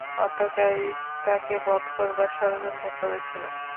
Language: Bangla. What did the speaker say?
অত্যাচারী তাঁকে বধ করবার ষড়যন্ত্র করেছিল।